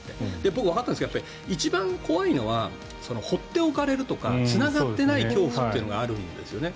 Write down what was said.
僕はわかったんですけど一番怖いのは放っておかれるとかつながってない恐怖というのがあるんですよね。